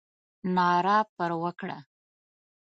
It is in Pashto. ناره پر وکړه.